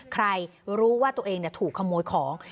ใครรู้ว่าตัวเองถูกขโมยของ